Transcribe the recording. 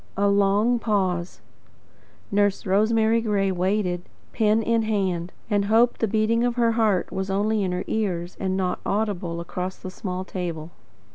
A long pause. Nurse Rosemary Gray waited, pen in hand, and hoped the beating of her heart was only in her own ears, and not audible across the small table.